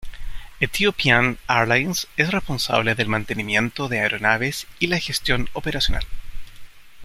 Ethiopian Airlines es responsable del mantenimiento de aeronaves y la gestión operacional.